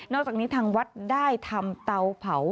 จากนี้ทางวัดได้ทำเตาเผา